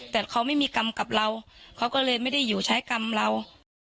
แต่เขาไม่มีกรรมกับเราเขาก็เลยไม่ได้อยู่ใช้กรรมเรา